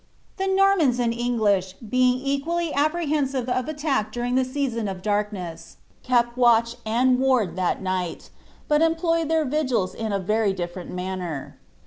The Nornnns and English being equally apprehensive of attack during the season of daikness, kept watch and wanl timi night, but employed their vigils in a very difleient manner.